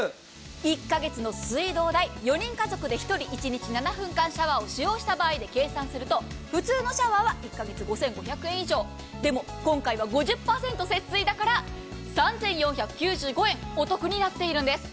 １か月の水道代とガス代、シャワーを使用した場合で計算すると普通のシャワーは１か月５５００円以上でも今回は５０％節水だから３４９５円お得になってるんです。